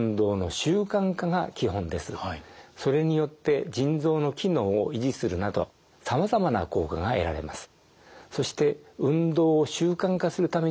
それによって腎臓の機能を維持するなどさまざまな効果が得られます。